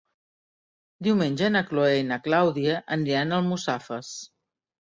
Diumenge na Chloé i na Clàudia aniran a Almussafes.